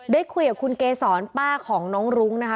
ได้คุยกับคุณเกษรป้าของน้องรุ้งนะคะ